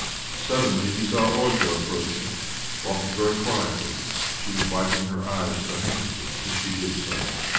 Suddenly he saw Olga approaching. Walking very quietly, she was wiping her eyes with a handkerchief as she did so.